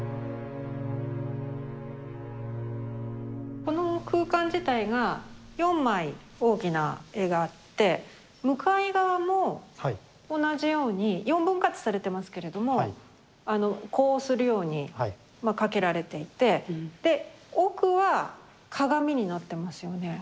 この空間自体が４枚大きな絵があって向かい側も同じように４分割されてますけれどもあの呼応するようにまあ掛けられていてで奥は鏡になってますよね。